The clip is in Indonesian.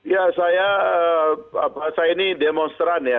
ya saya ini demonstran ya